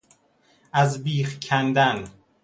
از بیخ کندن